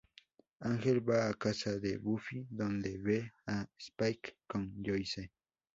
Ángel va a casa de Buffy, donde ve a Spike con Joyce.